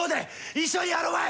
一緒にやろまい！